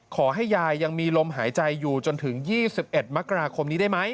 ขอให้ยายยังมีลมหายใจอยู่จนถึง๒๑มกราคมนี้ได้ไหม